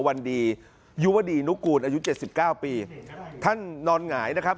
วันดียุวดีนุกูลอายุเจ็ดสิบเก้าปีท่านนอนหงายนะครับ